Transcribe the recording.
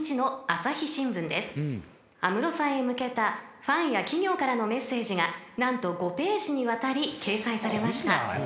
［安室さんへ向けたファンや企業からのメッセージが何と５ページにわたり掲載されました］